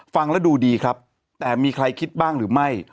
ฟังแล้วดูดีครับแต่มีใครคิดบ้างหรือไม่